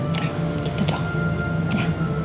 oke gitu dong